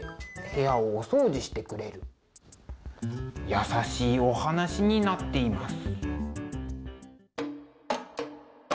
優しいお話になっています。